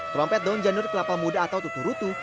trompet daun janur kelapa muda atau tutu rutu